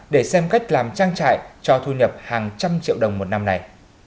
để xem cách làm trang trại cho thu nhập hàng trăm triệu đồng một năm này